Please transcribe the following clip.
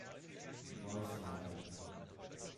Roy Schneider